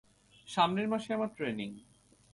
সামনের মাসেই আমার ট্রেনিং।